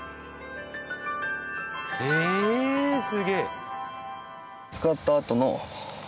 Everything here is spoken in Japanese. へえすげえ！